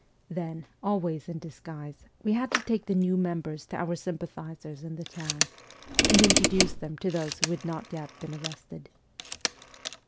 Then, always in disguise, we had to take the new members to our sympathizers in the town, and introduce them to those who had not yet been arrested.